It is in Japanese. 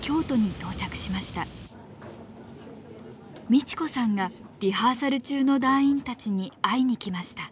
美智子さんがリハーサル中の団員たちに会いに来ました。